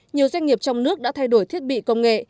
nhiều doanh nghiệp trong nước đã thay đổi thiết bị công nghệ